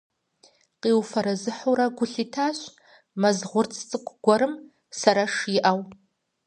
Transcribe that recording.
Къиуфэрэзыхьурэ гу лъитащ мэз гъурц цӀыкӀу гуэрым сэрэш иӀэу.